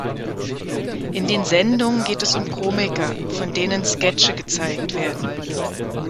In den Sendungen geht es um Komiker, von denen Sketche gezeigt werden.